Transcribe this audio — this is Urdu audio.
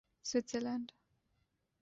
سوئٹزر لینڈ